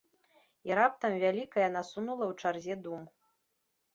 І раптам вялікае насунула ў чарзе дум.